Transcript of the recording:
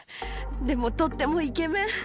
でもとってもイケメン。